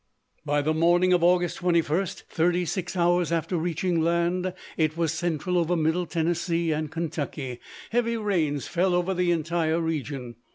By the morning of August 21st, thirty six hours after reaching land, it was central over middle Tennessee and Kentucky; heavy rains fell over the entire region.